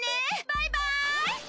バイバイ！